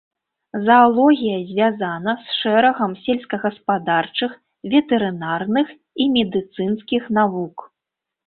Заалогія звязана з шэрагам сельскагаспадарчых, ветэрынарных і медыцынскіх навук.